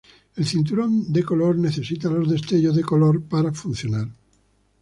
El cinturón de color necesita los destellos de color para funcionar.